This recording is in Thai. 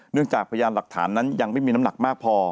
จากพยานหลักฐานนั้นยังไม่มีน้ำหนักมากพอ